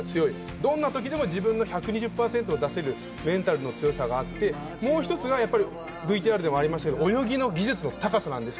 どんな時でも自分の１２０％出せるメンタルの強さがあってもう一つはＶＴＲでもあったように泳ぎの技術の高さなんです。